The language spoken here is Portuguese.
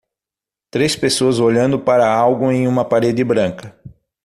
Três pessoas olhando para algo em uma parede branca.